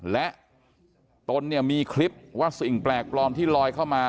และตนเนี่ยมีคลิปว่าสิ่งแปลกปลอมที่ลอยเข้ามา